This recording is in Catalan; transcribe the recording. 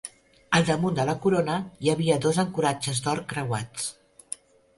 Al damunt de la corona hi havia dos ancoratges d'or creuats.